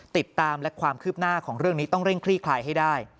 ติดตามและความคืบหน้าของเรื่องนี้ต้องเร่งคลี่คลายให้ได้